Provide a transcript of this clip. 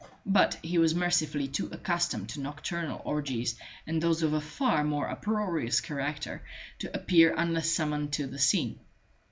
But he was mercifully too accustomed to nocturnal orgies, and those of a far more uproarious character, to appear unless summoned to the scene.